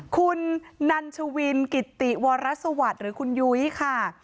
คุณนันชวินกิติวรสวัสดิ์หรือคุณยุ้ยค่ะ